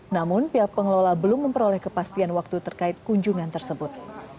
namun pihak pengelola belum memperoleh kepastian waktu terkait kunjungan tersebut